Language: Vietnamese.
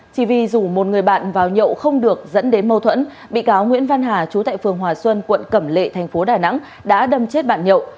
chỉ vì rủ một người bạn vào nhậu không được dẫn đến mâu thuẫn bị cáo nguyễn văn hà chú tại phường hòa xuân quận cẩm lệ thành phố đà nẵng đã đâm chết bạn nhậu